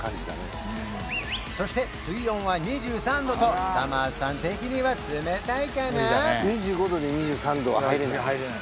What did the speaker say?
そして水温は２３度とさまぁずさん的には冷たいかな？